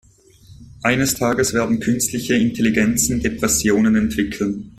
Eines Tages werden künstliche Intelligenzen Depressionen entwickeln.